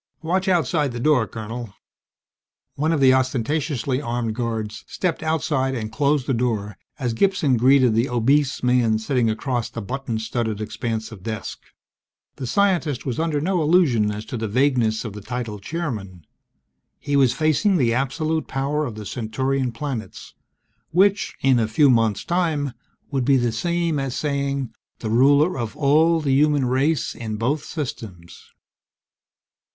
Watch outside the door, Colonel!" One of the ostentatiously armed guards stepped outside and closed the door as Gibson greeted the obese man sitting across the button studded expanse of desk. The scientist was under no illusion as to the vagueness of the title "Chairman." He was facing the absolute power of the Centaurian planets which, in a few months' time, would be the same as saying the ruler of all the human race in both systems.